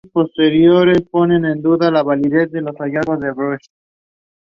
A friend was the author Charles Dickens.